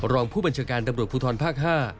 รองผู้บัญชาการตำรวจภูทรภาค๕